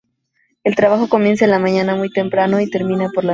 El trabajo comienza en la mañana muy temprano y termina por la noche.